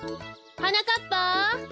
・はなかっぱ！